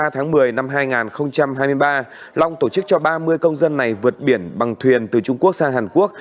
hai mươi tháng một mươi năm hai nghìn hai mươi ba long tổ chức cho ba mươi công dân này vượt biển bằng thuyền từ trung quốc sang hàn quốc